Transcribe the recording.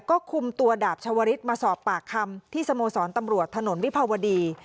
ก็คุมตัวดาบชาวริสมาสอบปากคำที่สโมสรตำรวจถนนวิภาวดี